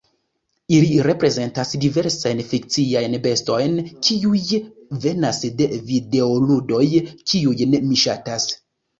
Ili reprezentas diversajn fikciajn bestojn, kiuj venas de videoludoj, kiujn mi ŝatas.